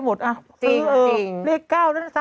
มันมีเหตุผลเสมอ